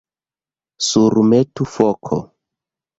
Surmetu, foko!